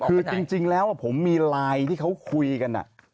คือจริงแล้วผมมีไลน์ที่เขาคุยกัน